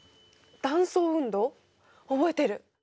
断層運動？覚えてる。